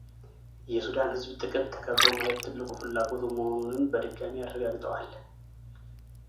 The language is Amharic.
የሱዳን ህዝብ ጥቅም ተከብሮ ማየት ትልቁ ፍላጎቱ መሆኑንም በድጋሚ አረጋግጠዋል፡፡